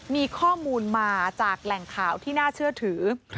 มีข้อมูลมาจากแหล่งข่าวที่น่าเชื่อถือ